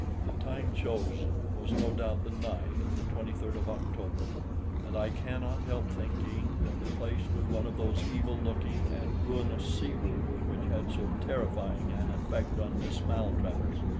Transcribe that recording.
The time chosen was no doubt the night of the 23d of October, and I cannot help thinking that the place was one of those evil looking and ruinous sea rooms which had so terrifying an effect on Miss Maltravers.